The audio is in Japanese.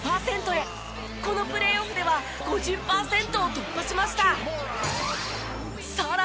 このプレーオフでは５０パーセントを突破しました。